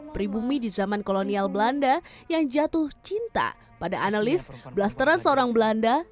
pribumi di zaman kolonial belanda yang jatuh cinta pada analis belasteran seorang belanda